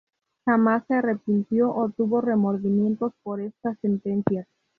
Jamás se arrepintió o tuvo remordimientos por estas sentencias.